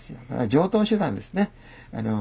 常とう手段ですね。